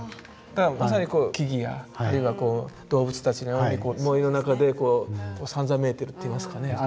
だからまさにこう木々やあるいはこう動物たちのように森の中でこうさんざめいてるっていいますかね。